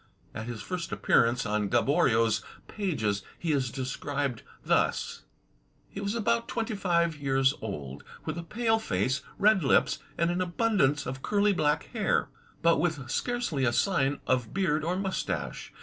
At his very first appearance on Gaboriau's pages he is described thus: .... he was about twenty five years old, with a pale face, red lips, and an abundance of curly black hair, but with scarcely a sign of PORTRAITS 15s beard or mustache.